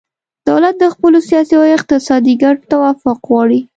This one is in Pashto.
دولت د خپلو سیاسي او اقتصادي ګټو توافق غواړي